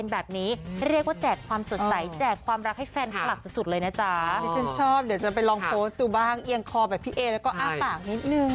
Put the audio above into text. เพราะฉะนั้นไปลองโพสต์ตัวบ้างเหี่ยงคอแบบพี่เอแล้วก็อ้างต่างนิดนึง